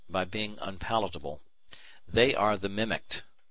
g. by being unpalatable. They are the "mimicked."